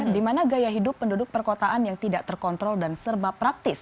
di mana gaya hidup penduduk perkotaan yang tidak terkontrol dan serba praktis